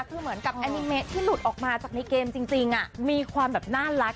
คือเหมือนกับแอนิเมตที่หลุดออกมาจากในเกมจริงมีความแบบน่ารัก